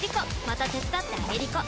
また手伝ってあげりこ！